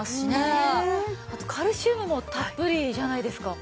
あとカルシウムもたっぷりじゃないですか。